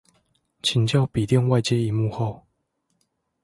請教筆電外接螢幕後